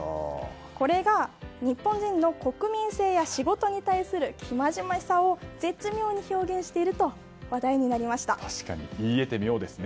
これが日本人の国民性や仕事に対する生真面目さを絶妙に表現していると言い得て妙ですね。